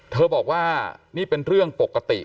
บอกว่านี่เป็นเรื่องปกติ